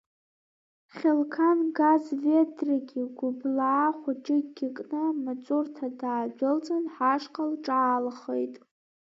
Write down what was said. Хьылқан газ ведраки, гәыблаа хәыҷыки кны амаҵурҭа даадәылҵын, ҳашҟа лҿаалхеит.